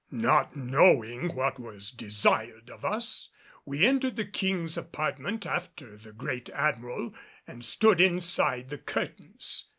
Not knowing what was desired of us, we entered the King's apartment after the great Admiral and stood inside the curtains.